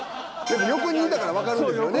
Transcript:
横にいたからわかるんですよね。